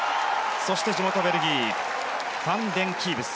そして、地元ベルギーファン・デン・キーブス。